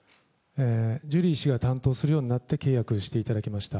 ジュリー氏が担当するようになって契約していただけました。